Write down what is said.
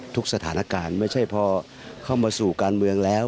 ทุกสถานการณ์ไม่ใช่พอเข้ามาสู่การเมืองแล้ว